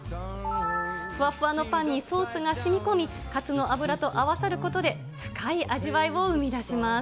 ふわふわのパンにソースがしみこみ、カツの脂と合わさることで、深い味わいを生み出します。